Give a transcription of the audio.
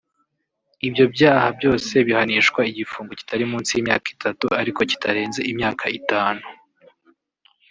Ibyo byaha byose bihanishwa igifungo kitari munsi y’imyaka itatu ariko kitarenze imyaka itanu